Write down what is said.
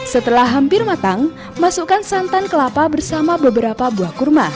setelah hampir matang masukkan santan kelapa bersama beberapa buah kurma